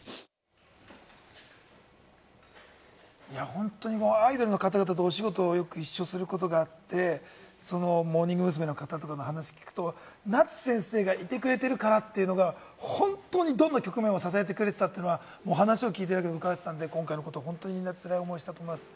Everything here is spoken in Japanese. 本当にアイドルの方々とお仕事をよくご一緒することがあって、モーニング娘。の方とかの話、聞くと夏先生がいてくれてるからというのが本当にどんな局面も支えてくれていたというのが、お話を聞いて伺ってたので、本当にみんなつらい思いしたと思います。